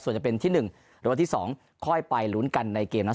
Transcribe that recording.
ส่วนจะเป็นที่๑หรือวันที่๒ค่อยไปลุ้นกันในเกมนัด